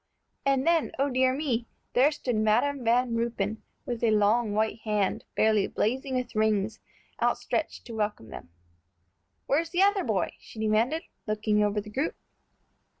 And then, O dear me! there stood Madam Van Ruypen, with a long white hand, fairly blazing with rings, outstretched to welcome them. "Where's the other boy?" she demanded, looking over the group.